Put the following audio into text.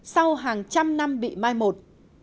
sau hàng trăm năm bị mai một